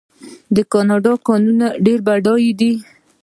د کاناډا کانونه ډیر بډایه دي.